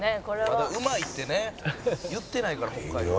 「まだ“うまい”ってね言ってないから北海道」